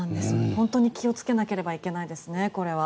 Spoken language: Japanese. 本当に気をつけなければいけないですね、これは。